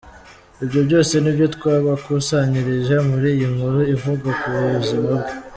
Ibyo byose nibyo twabakusanyirije muri iyi nkuru ivuga ku buzima bwe.